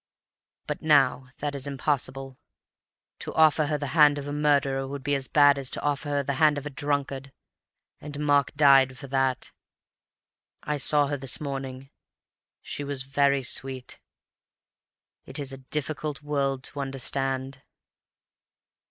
But now that is impossible. To offer her the hand of a murderer would be as bad as to offer her the hand of a drunkard. And Mark died for that. I saw her this morning. She was very sweet. It is a difficult world to understand.